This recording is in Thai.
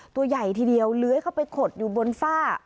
ตัวใหญ่ทีเดียวเลื้อยเข้าไปขดอยู่บนฝ้า